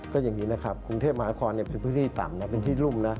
ก็แบบนี้นะครับกรุงเทพมหานครเป็นพื้นที่ต่ำนะครับ